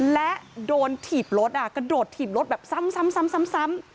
และโดนถีบรถกระโดดถีบรถแบบซ้ำ